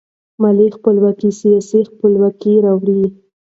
مالي خپلواکي سیاسي خپلواکي راوړي.